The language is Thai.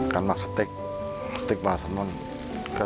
การหมักสเต็กสเต็กปลาสัลมอน